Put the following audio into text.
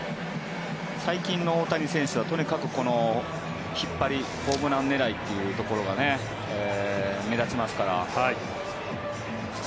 最近の大谷選手はとにかく引っ張りホームラン狙いというところが目立ちますから。